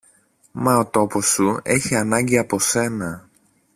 Μα ο τόπος σου έχει ανάγκη από σένα.